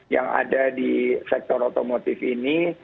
yang ada di sektor otomotif ini